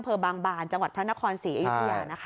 เพิร์นบางบานจังหวัดพระนครศรีอายุเตรียร์นะคะค่ะ